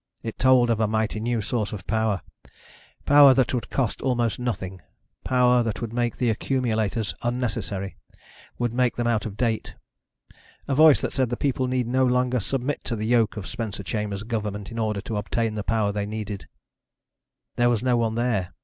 It told of a mighty new source of power. Power that would cost almost nothing. Power that would make the accumulators unnecessary ... would make them out of date. A voice that said the people need no longer submit to the yoke of Spencer Chambers' government in order to obtain the power they needed. There was no one there